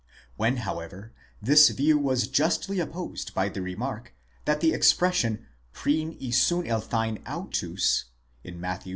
When however this view was justly opposed by the remark, that the expression πρὶν ἢ συνελθεῖν αὐτοὺς in Matthew (i.